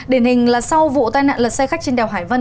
điển hình là sau vụ tai nạn lật xe khách trên đèo hải vân